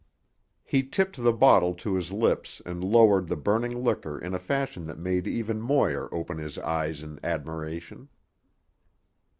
He tipped the bottle to his lips and lowered the burning liquor in a fashion that made even Moir open his eyes in admiration.